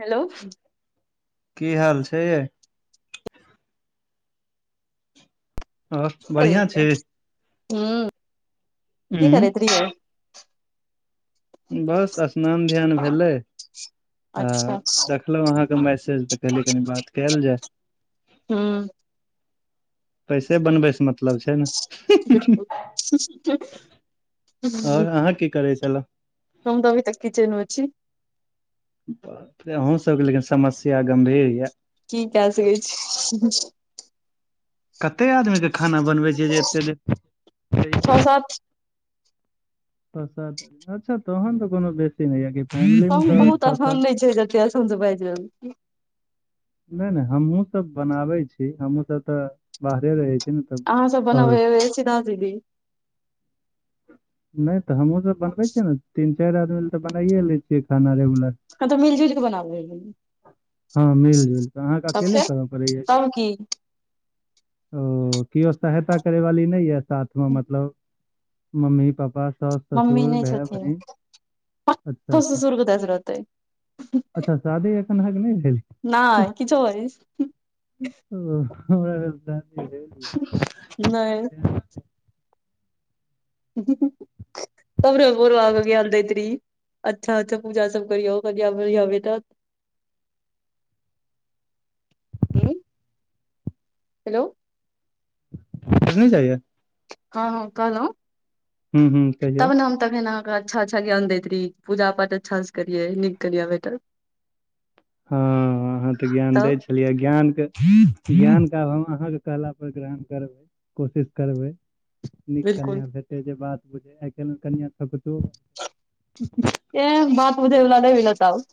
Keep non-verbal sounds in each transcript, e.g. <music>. Hello. की हाल छै ये? और कि करैय बढ़ियां छी रहियै ऊं की उं करैत रहियै? बस स्नान ध्यान भेलै। आ अच्छा देखलहुँ अहाँके मैसेज तऽ कहलिये कनि बात केएल के। ह। पैसे बनबै से मतलब छै ने। बिलकुल आओर अहाँ की करै छलहु? हम तऽ अभी तक किचेन मे छी। बापरे अहूँ सबके लेकिन समस्या गम्भीर ये। की केए सकै छी। कते आदमीके खाना बनबै छीयै, जे एतेक छ देर। <unintelligible> सात। <unintelligible> छ सात अच्छा तहन तऽ कोनो बेसी नहि या कि फैमिली मे तऽ,। इ <unintelligible> छै। <inaudible> जे मुन से बाइज लेलौ। <unintelligible> नइ - नइ हमहु सब बनाबइ छी, हमहुँ सब तऽ, बाहरे रहे छी। ने तब अहाँ सब और बनाबै अबै अछि तहाँसे कि। <unintelligible> नै तऽ हमहूँसभ बनबै छियै, ने तीन चारि आदमी लए तऽ बनाइए लै छियै, खाना रेगुलर। हँ तऽ, मिल जुल के बनाबे हेबै। हँ मिल जुल कऽ, अहाँके तब अकेले फेर करऽ पड़ैया। तब की ओ किओ सहायता करै वाली नइ यै साथमे मतलब मम्मी पापा, साऊस, ससुर भैय, बहिन अच्छा सा <inaudible> अच्छा ससुर कत स रहतै। अच्छा शादी अखनहग नहि भेल। नाइ किछु बजई छी। ओ <inaudible> <inaudible> नई हमरों बुरबा मुगीयल देतरी। <inaudible> अच्छा -अच्छा पूजा सब करिओ <inaudible> हेलो नई जइया। हँ- हँ कहलंऊ हू- हूँ कहियौ तखन अहाँ हमरा अच्छा -अच्छा ज्ञान देत रही पूजा पाठ अच्छा से करियै नीक करियै बैठल हँ अहाँ तऽ, ज्ञान दै तब छै, कहलियै ज्ञान के ज्ञान के आब हम अहाँके कहला पर ग्रहण करबै। कोशिश करबै। नीक बिलकुल कनआ भेटै जे बात बुझ आइ काइल्ह कनआ सब त कतों ए बात बुझेवला नइ मिलत आब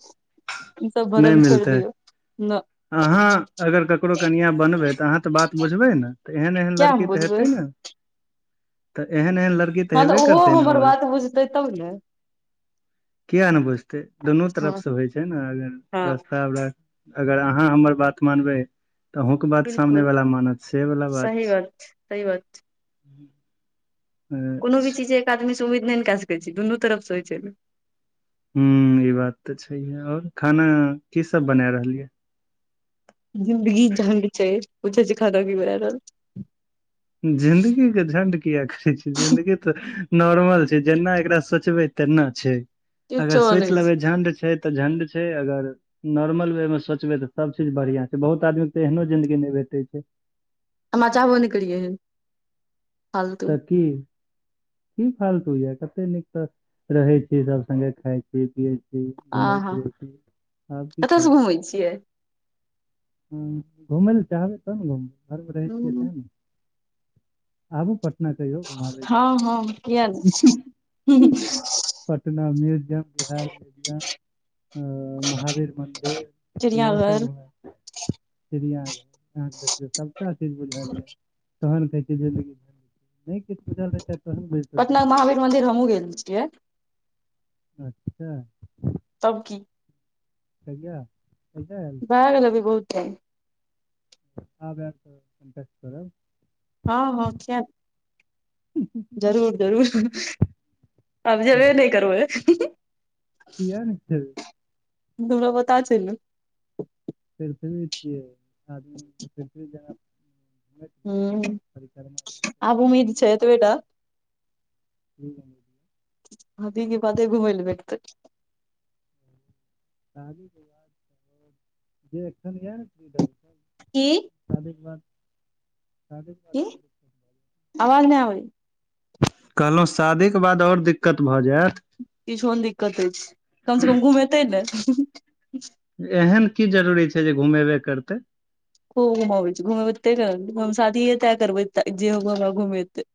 ई सब नहि भरम छोइर मिलतै दियो। न अहाँ अगर ककरो कनिआँ बनबै तऽ, अहाँ तऽ बात बुझबै न, तऽ एहन एहन किया हम लड़की तऽ, बुझबै हेतै न तऽ एहन एहन लड़ हँ तऽ ओहो हमर बात बुझतै तब ने। किया ने बुझते दुनू हँ तरफ से होइ छै ने, अगर हँ पस्ताप राखु अगर अहाँ हमर बात मानबे त अहूंके बात सामने बिलकुल वाला मानत से वालला बात छै। सही बात छ कोनो भी अच्छा, चीज एक आदमी से उम्मीद नहि ने कए सकै छी, दुनू तरफसँ होइ छै नऽ। हूँ ई बात तऽ छहिऐ, और खाना की सब बना रहलिय ये। जिंन्दगी झंड छै, पूछै छै, खाना की बना रहल जिंदगी के झण्ड किऐ करै छै, जिंदगी तऽ नॉर्मल छै, जेना एकरा सोचबै तेना छै। किछो अगर सोइच नहि छै। लेबै झण्ड छै, तऽ झण्ड छै, अगर नॉर्मल वे मे सोचबै तऽ, सभचीज बढ़ियां छै, बहुत आदमी तऽ, एहनो जिन्दगी नहि भेटै छै। हमरा चाहबो न करि ऐहन। त कि। की फालतू ये, कते नीक तऽ रहै छी, सभ संगे खाय छी पिय छि घुमय आहा फिरय छी, आब की कतऽ से करब। घुमै छियै ह घूम ले चाहबय, तब ने घुम घरमे रहै छियै ते न। आबू ना कहियौ घुमा बय हँ हँ किया ने छी। पटना म्यूजियम भैल म्यूजियम महावीर मन्दिर। इह सब चिड़ियाघर घुमेत। चिड़िया अहां देखौ सभटा चीज बुझल अय तहन कहै छै जिंदगी। नहि किछ बुझलरहिते तहन <unintelligible> पटना महावीर मंदिर हमहुूँ गेल छिय। अच्छा तब की कहिया -कहिया ऐत। लागत अभी बहुत टाइम। आब ऐब त टच करब। हाॅं -हाॅं किये नय। जरूर- जरूर अआब जेबै नहि करबय। किये ने <unintelligible> हमरा पता छय न। <inaudible> छै हुॅं, परिक्रमा करै छै आब उम्मीद छैं एते बे टा। हुंऽ आदि के कते घुमैय ले भेट तय। आदि के, जे एखन या न। <unintelligible> की। शादीे के बाद शादी। की आवाज नैं आबैया ‌। कहलहुँ शादीक के बाद और दिक्कत भऽ जेत। किछो ने दिक्कत होइ छै, कम से कम घुमेतैं ने। एहेन की जरूरी छैं जे घुमेबे करतय। खुब घुमेबय छय घुमेबे तय ले न शादीये तै करबै, जे हमरा घुमेतै।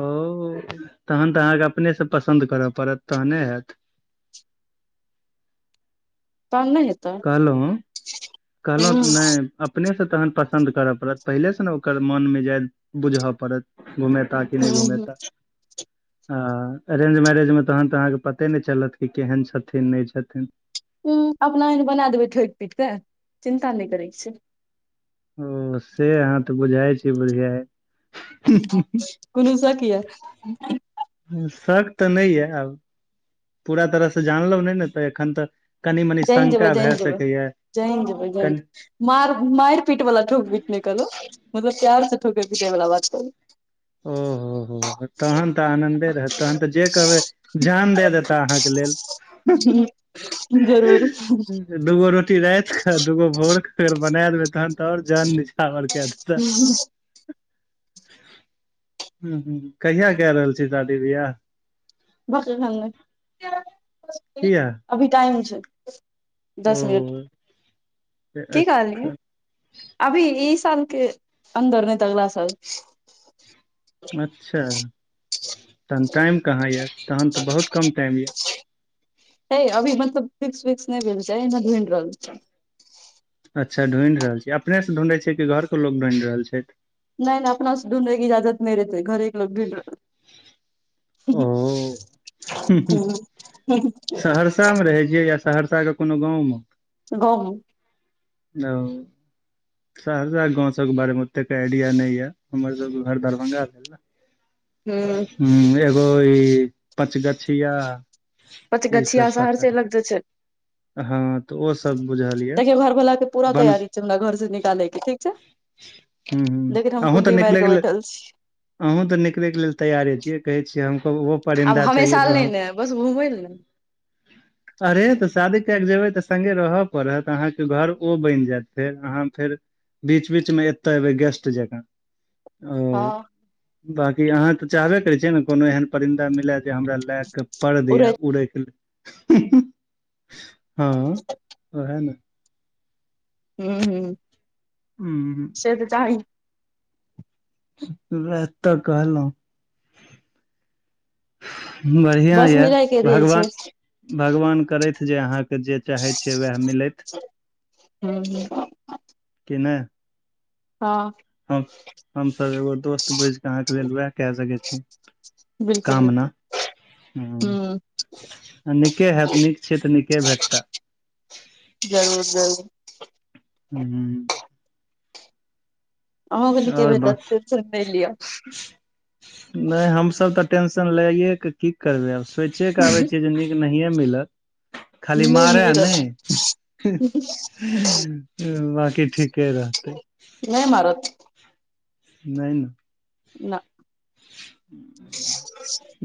ओऽ तहन तऽ अहाँके अपनेसऽ पसन्द कर पड़त, तहने हेत। तहन नैं हे कहलौंह कहलहुं नय। अपने स तहन पसन्द करऽ पड़त, पहिले से ने ओकर मन मिजाद बुझऽ पड़त। घूमेते कि नैं ह घूमेता। हाॅं अरेंज मैरेंज में तहन तऽ अहाँके पते नहि चलत कि, केहन छथिन नहि छथिन। उ अपना एहेन बना देबैंय, ठोकि पीट कऽ, चिन्ता नहि करैं छैं। ओऽ से अहाँ तऽ बुझाइ छी बुधियेर ‌। कुनु शक ये। शक तऽ नहि ये आब, पूरा तरहस जानलहु नहि ने तऽ एखन तऽ। कनि मनि जानि जेबैय शंका भए जानि जेबैय सकैया जानि जेबैय जानि कनि जेबैय। मार मारि पीट वाला ठोक पीट नहि कहलों, मतलब प्यार स ठोकय पीटे बला बात कहलों। <inaudible> ओ तहन तऽ आनन्दे रहत तहन तऽ जे कहबै जान दे देता अहाँके लेल। हु जरूर। <unintelligible> दूगो रोटी रात क दूगो भोरके अगर बना देबैय तहन त और जान निछावर का देता। कहिया कए रहल छी शादी बियाह। <unintelligible> किया अभी टाइम छैं। ओ दस मिनट, की कहली? एखन, अभी ई साल के अन्दर नहि त अगला साल। अच्छा तहन टाइम कहाँ ये तहन त बहुत कम टाइम ये। है अभी मतलब फिक्स विक्स नहि भेल छैंय एहिना घुम रहल छैय। <unintelligible> अच्छा ढूँढि रहल छी अपने सँ ढूढैय छी की घरके लोग ढूढ रहल छैय। नैं नैं अपना ढूढैय के इजाजत नैय देतैय घरेक लोग ढूॅंढि रहल। ओ हु हु सहस। <unintelligible> सहरसा में रहे छियैं या सहरसा के कोनो गाँंव में। <unintelligible> <unintelligible> सहरसा गाँव सबके बारेमे ओतेक आइडिया नहि या हमरसभके घर दरभगा छैय ने। ह हु एगो ई पाँच गिछया। पाॅंच गछिआ सहरसा लगतऽ छैं। हँ तऽ ओ सब बुझल <unintelligible> यऽ तेहि घर भोलाक के पूरा बन तैयारी। चंदा घर से निकाले के ठीक छै हूँ हूँ लेकिन हम अहूँ तऽ कुंडी मार निकलैके के लेल बैठल छी। अहूँ त निकले के लेल तैयारे छियै कहै छियै हम त ओहो आब परिन्दा चाहिए हमेशा जो नहि ने बस घुमबै ने <unintelligible> अरे त, शादी कए क जेबै तऽ सङ्गे रहय पड़त अहाँके घर ओ बनि जायत फेर अहाँ फेर बीच बीचमे एतय एबै गेस्ट जकाँ ह्म्म, हँ बाकी अहाँ तऽ चाहबे करै छियै ने कोनो एहन परिन्दा मिलय जे हमरा, लए क पर दिए उड़ै उरई के हा हा <unintelligible> हँ त ह ने <unintelligible> हू हू, हू, से तऽ चाही <unintelligible> वेह तऽ कहलहु <unintelligible> बढ़िआँ बस यार मिलाय के रेल छै भगवान, भगवान करथि जे अहाँके जे चाहै छ उएह मिलथ हूँ हूँ कि नइ <unintelligible> हँ हम हमसभ एगो दोस्त बुझि क अहाँके उएह कए सकै छी बिलकुल बिलकुल ह आ नीके हेत नीक छिय त नीके भेटतै जरूर जरूर ह <unintelligible> अहूके नीके आओर बा भेटत टेंशन नहि लिअ, नहि हमसभ त टेंशन लैएके की करबै आब, सोचे के आबै छ जे नीक नहिए मिलत खाली नहि मारै मिलत नहि, बाकी ठीके रहतै, नइ मारत। नय न ना।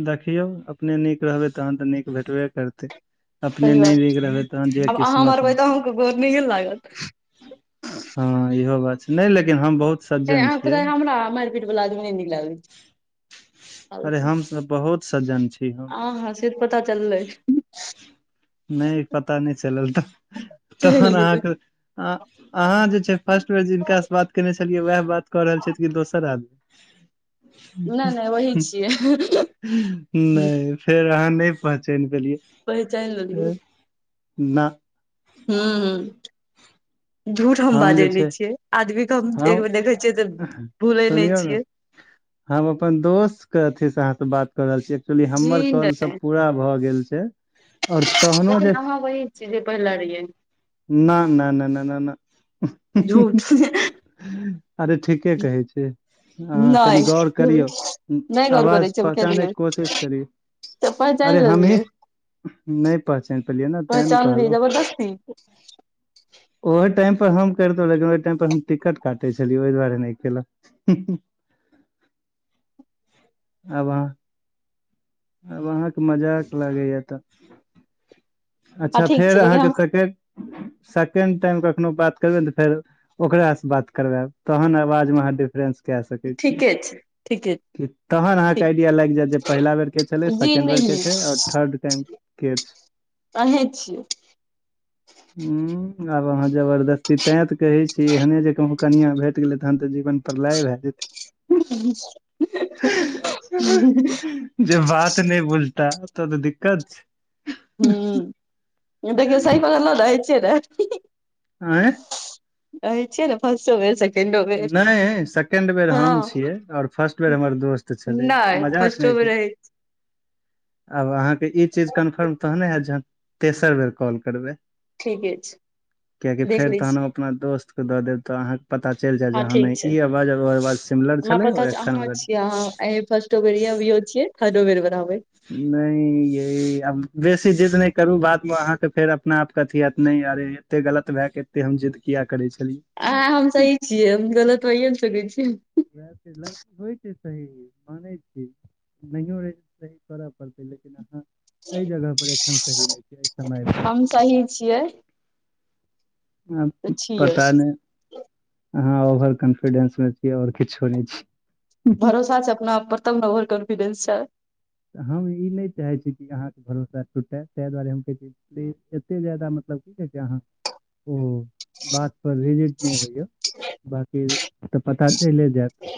देखियौ अपने नीक रहबै तहन तऽ नीक भेटबे करतै। अपने सही बात नय नीक रहबै तहनि जे आब अहाँ मारबै किस्मतमे। तऽ अहूँके गोर नहिये लागत हँ इहो बात छैय नय लेकिन हम बहुत हे सज्जन अहाँके पता छियै अइ हमरा मारि पीट वला आदमी नय नीक लागै छैय। अरे हमसब बहुत सज्जन छी। हम आ हँ से त पता चललै। नइ पता नइ चलल त तहन चलि गेलै अहाँके अ अहाँ जे छैय फर्स्ट बेर जिनकासँ बात केने छलियै वएह बात क रहल छैथ कि दोसर आदमी। नहि नहि वही नय छियै फेर अहाँ नय पहचाइन पेलियै। पहचाइन लेलियै। ना। हँ-हँ। झूठ हम बाजय जे नय छै छियै आदमीके हम एक बेर देखय छियै त भूलै नय सुनियौ ने छियै। हम अपन दोस्तके अथी स अहाँ स बात क रहल छी एक्चुअली जी हमर कॉल नहि सब पूरा भ गेल छैय। लेकिन हमे वही छी जे पहिले रहियै। न- न -न- न -न झूठ -न। अरे ठीके कहय छी। हँ कनि नहि गौर करियौ नहि आवाज पहचानैके कोशिश करियौ। त पहचाइन लेलियै। नइ पहचाइन पेलियै ने तेँ ने पहचानलियै कहलहुँ। जबरदस्ती ओहो टाइम पर हम करितहु लेकिन ओहि टाइम पर हम टिकट काटय छलियै ओहि दुआरे नइ केलऊ। आब आब अहाँके मजाक लागैया त। हँ अच्छा ठीक फेर छै लेकिन अहाँके हम सेकेंड, सेकेंड टाइम कखनो बात त फेर ओकरासँ बात करबैब तहन आवाजमे अहाँ डिफरेंस कए सकै छी ठीके छैय ठीके। तहन अहाँके ठीक आइडिया लागि जायत जे पहिला बेर के छलै जी सेकेंड बेर नहि के छैय और थर्ड टाइम के छैय। अहीं छियै। उ आब अहाँ जबरदस्ती तैं त कहय छी एहने जे कहूँ कनिया भेट गेलै तहन तऽ जीवन प्रलये भए जेतै। ह ह जे बात नय बुझता ओतऽ त दिक्कत छैय। हू ए देखियौ सही कहलौं ने अहीं छियै ने। आँय। अहीं छियै ने फसटो बेर से नय सेकेंड बेर हम छियै और फर्स्ट बेर हमर दोस्त छलय नहि मजाक नहि <unintelligible> आब अहाँके इ चीज कन्फर्म तहने हैत जहन तेसर बेर कॉल करबय। ठीके छै कियेकि देख फेर लै छी तहन अपना दोस्तके दऽ देब त अहाँके पता च चलि जैत जे हँ ठीक नय छै इ आवाज आ ओ आवाज सिमिलर हमरा छलै और एखन <unintelligible> ोबरिया भी छ <unintelligible> खादो बरोबै नहि यह आब बेसी जिद्द नहि करू, बादमे अहाँकेँ फेर अपना आपके अथी होत नहि अरे एते गलत भए के एते हम जिद्द किया करै छली। आ हम सही छियै, हम गलत होइए ने सकै छी। इएह त लड़की होइ छै सही, मानै छी। नहि हो <unintelligible> पररत लेकिन अहाँ एहि जगह पर एखन सही नहि छै, एहि समय पर हम सही छियै। आ तऽ छियै पता नहि अहाँ ओवर कॉन्फिडेंस मे छीय और किछो नहि छीय भरोसा छै, अपनाप पर तब ने ओवर कॉन्फिडेंस छै। तऽ हम ई नहि चाहैत छी कि अहाँके भरोसा टूटै ताहि दुआरे हम कहैत छी। एते जादा मतलब की कहै छै अहाँ? ओ बात पर रेट <unintelligible> नहि होइय। बकी तऽ पता चलि जायत।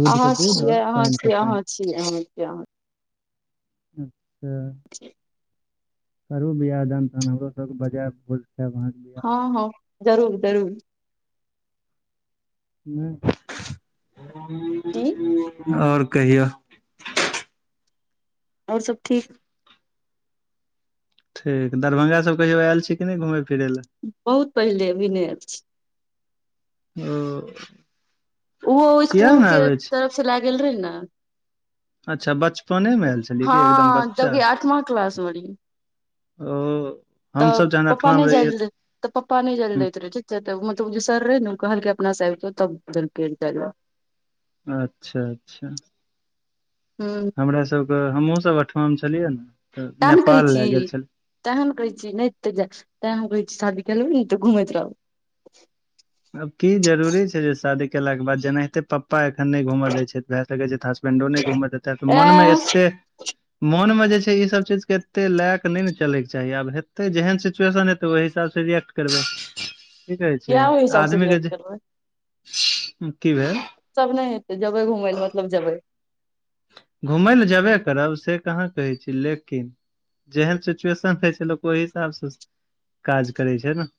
दूध के अहाँ दूध और छियै अहाँ पानि के छीै पानि अहाँ छी <unintelligible> अच्छा <inaudible> करू बियाह <unintelligible> दन तन हमरो सबके बजाय बझह हँ-हँ जरूर- जरूर नहि <unintelligible> की और कहियौ? और सब ठीक। ठीक दरभंगा सब कहियो आल छी की घमय फिरय लए? बहुत पहिले, अभी नै ऐब छी। ओ ओहो किया इसकुल ने के आबै छी तरफ से लए गेल रहे ने अच्छा बचपने मे आयल छलियै हँ क? एकदम बच्चा जबकि आठमा क्लास मे रहियै ओ तऽ हमस पप्पा जनाठव नहि मे जाय रहिय। लए तऽ पप्पा नहि जाइ ल दैत रहे ठीक, तऽ मतलब जे सर रहे ने ओ कहलकै अपना सेबो तब देलक जाइ ल। <inaudible> अच्छा अच्छा हूँ हमरा सबके हमहुँ सब ओठमा छेलियै न। नाम <unintelligible> कहै छी तैहन ने कहै छियै नैय <unintelligible> शादी केलौ घुमैत रहु। आब की जरूरी छैय जे शादी केला के बाद जेनायहिते प्पा प्पा एखन नैय घूमय दैत छैत भए सकै छै हसबेंडो नैय घुमय देतऽ ए मन मे एते मन मे जे छ ई सब चीज के एते लए के नैय ने चलके चाही आब हेतै जेहन सिचुएशन हेत ओय हिसाब सँ रिए्कट करबै की कहै छै, किया ओहि हिसाब से आदमी के रिएक्ट जे करबै की भेल? सब नैय हेतै, जेबै घुमय लए मतलब जेबै। घुमैय लए जेबे करब से कहाँ कहै छी लेकिन जेहन सिचुएशन रहै छै, लोक ओय हिसाब सँ काज करै छैय न।